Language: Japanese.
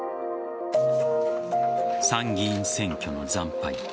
参議院選挙の惨敗。